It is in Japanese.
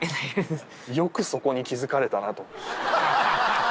よくそこに気付かれたなと。